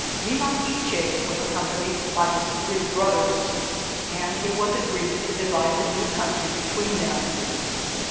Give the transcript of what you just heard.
Nimaquiche was accompanied by his three brothers, and it was agreed to divide the new country between them.